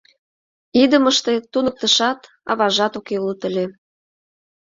Идымыште туныктышат, аважат уке улыт ыле.